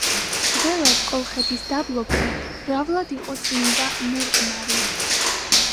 ძველად კოლხეთის დაბლობზე მრავლად იყო წმინდა მურყნარი.